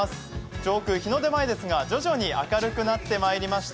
上空、日の出前ですが、徐々に明るくなってまいりました。